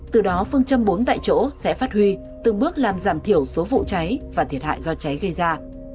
từ đó phương châm bốn tại chỗ sẽ phát huy từng bước làm giảm thiểu số vụ cháy và thiệt hại do cháy gây ra